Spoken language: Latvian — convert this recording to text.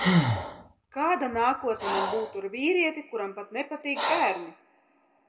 Kāda nākotne man būtu ar vīrieti, kuram pat nepatīk bērni?